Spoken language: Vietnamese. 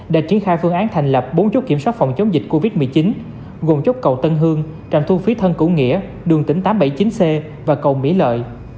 đã triển khai phương án thành lập bốn chốt kiểm soát phòng chống dịch covid một mươi chín gồm chốt cầu tân hương trạm thu phí thân củ nghĩa đường tỉnh tám trăm bảy mươi chín c và cầu mỹ lợi